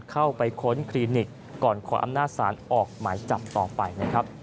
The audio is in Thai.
ค้นคลินิกก่อนขออำนาจศาลออกหมายจับต่อไปนะครับ